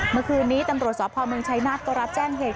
เมื่อคืนนี้ตำรวจสพเมืองชัยนาธก็รับแจ้งเหตุ